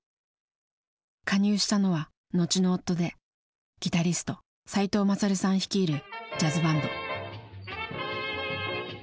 加入したのは後の夫でギタリスト齋藤勝さん率いるジャズバンド。